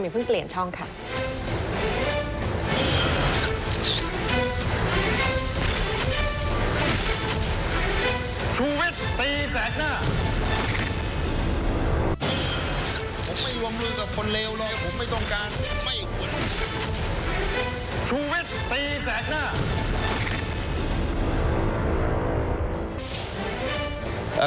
เพิ่งเปลี่ยนช่องค่ะ